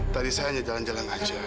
tadi saya hanya jalan jalan aja